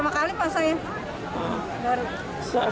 pertama kali pas saya